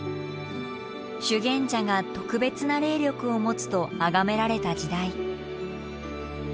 修験者が特別な霊力を持つとあがめられた時代。